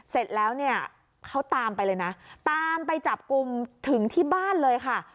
เสร็จแล้วเนี่ยเขาตามไปเลยนะตามไปจับกลุ่มถึงที่บ้านเลยค่ะ